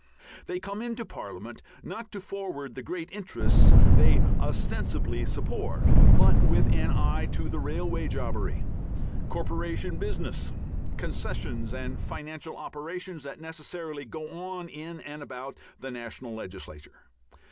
They come into parliament not to forward the great interests they ostensibly support, but with an eye to the railway jobbery, corporation business, concessions and financial operations that necessarily go on in and about the national legislature.